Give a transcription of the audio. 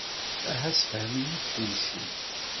Aha ssefhem-iyi-d kullci.